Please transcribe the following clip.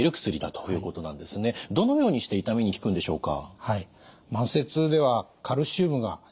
どのようにして痛みに効くんでしょうか？